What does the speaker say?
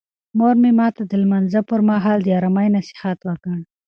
مور مې ماته د لمانځه پر مهال د آرامۍ نصیحت وکړ.